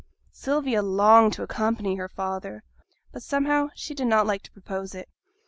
Sylvia longed to offer to accompany her father; but, somehow, she did not like to propose it.